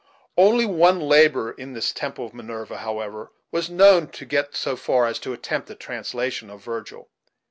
Only one laborer in this temple of Minerva, however, was known to get so far as to attempt a translation of Virgil.